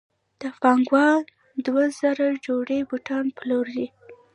که پانګوال دوه زره جوړې بوټان وپلوري